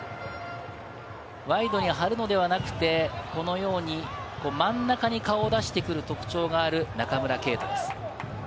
ワイドに張るのではなくて、このように真ん中に顔出してくる特徴がある中村敬斗です。